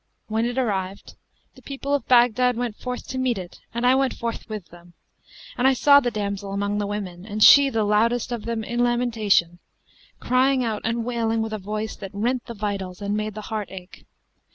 When it arrived, the people of Baghdad went forth to meet it and I went forth with them: and I saw the damsel among the women and she the loudest of them in lamentation, crying out and wailing with a voice that rent the vitals and made the heart ache.